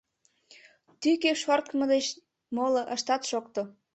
Тӱкӧ шорткымо деч моло ышат шокто!